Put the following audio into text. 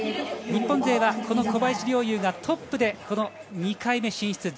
日本勢はこの小林陵侑がトップで２回目進出。